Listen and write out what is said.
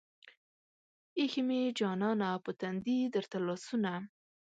ايښې مې جانانه پۀ تندي درته لاسونه